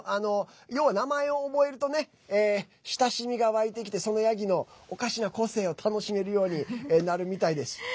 要は名前を覚えると親しみが湧いてきてそのヤギのおかしな個性を楽しめるようになるみたいです。